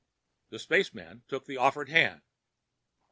The spaceman took the offered hand.